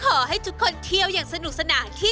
ก็จะเชิญชวนน้ำชมทางบ้านที่